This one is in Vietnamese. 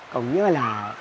cũng như là